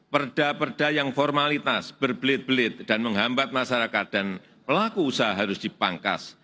perda perda yang formalitas berbelit belit dan menghambat masyarakat dan pelaku usaha harus dipangkas